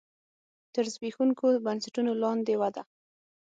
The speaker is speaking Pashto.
تر زبېښونکو بنسټونو لاندې وده.